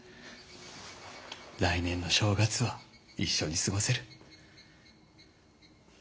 来年の正月は一緒に過ごせる。